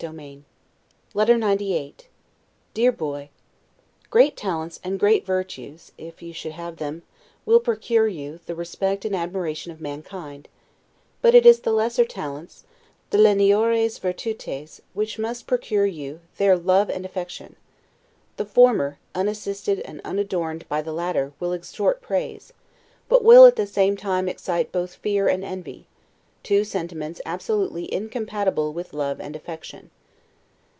Adieu. LETTER XCVIII DEAR BOY: Great talents and great virtues (if you should have them) will procure you the respect and the admiration of mankind; but it is the lesser talents, the 'leniores virtutes', which must procure you their love and affection. The former, unassisted and unadorned by the latter, will extort praise; but will, at the same time, excite both fear and envy; two sentiments absolutely incompatible with love and affection.